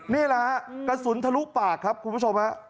นี่แหละฮะกระสุนทะลุปากครับคุณผู้ชมฮะ